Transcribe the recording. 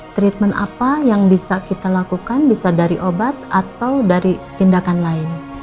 treatment apa yang bisa kita lakukan bisa dari obat atau dari tindakan lain